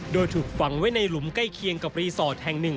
โดยถูกฝังไว้ในหลุมใกล้เคียงกับรีสอร์ทแห่งหนึ่ง